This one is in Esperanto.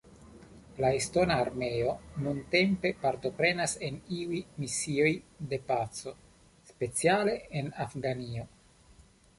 La Estona Armeo nuntempe partoprenas en iuj misioj de paco, speciale en Afganio.